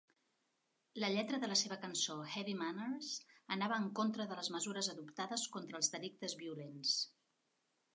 La lletra de la seva cançó "Heavy Manners" anava en contra de les mesures adoptades contra els delictes violents.